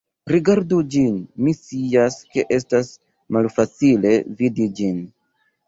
Rigardu ĝin, mi scias, ke estas malfacile vidi ĝin